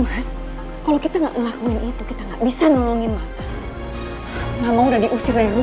mas kalau kita enggak ngelakuin itu kita nggak bisa nolongin mama udah diusir lewat